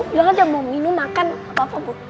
bilang aja mau minum makan apa apa bu